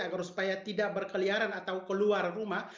agar supaya tidak berkeliaran atau keluar rumah